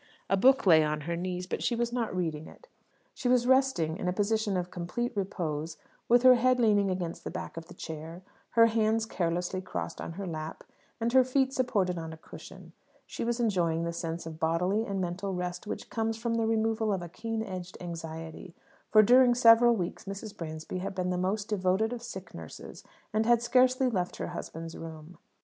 A book lay on her knees; but she was not reading it. She was resting in a position of complete repose, with her head leaning against the back of the chair, her hands carelessly crossed on her lap, and her feet supported on a cushion. She was enjoying the sense of bodily and mental rest which comes from the removal of a keen edged anxiety; for during several weeks Mrs. Bransby had been the most devoted of sick nurses, and had scarcely left her husband's room.